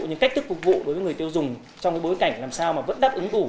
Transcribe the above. những cách thức phục vụ đối với người tiêu dùng trong cái bối cảnh làm sao mà vẫn đáp ứng đủ